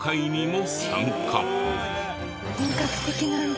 本格的なんだ。